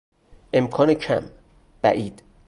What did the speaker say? امکان کم، بعید